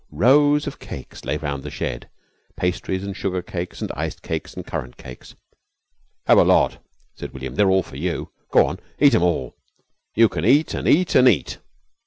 Rows of cakes lay round the shed, pastries, and sugar cakes, and iced cakes, and currant cakes. "Have a lot," said William. "They're all for you. Go on! Eat 'em all. You can eat an' eat an' eat.